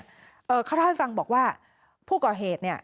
ครอบครัวให้ฟังบอกว่าผู้ก่อเหตุเนี่ย